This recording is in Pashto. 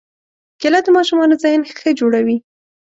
کېله د ماشومانو ذهن ښه جوړوي.